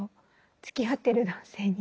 つきあってる男性に。